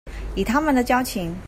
以他們的交情